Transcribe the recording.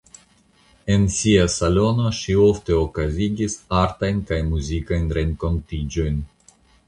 En sia salono ŝi ofte okazigis artajn kaj muzikajn renkontiĝojn.